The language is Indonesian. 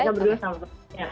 kita berdua sama